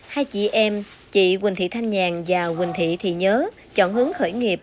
hai chị em chị quỳnh thị thanh nhàn và quỳnh thị thị nhớ chọn hướng khởi nghiệp